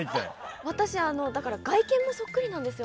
私だから外見もそっくりなんですよ。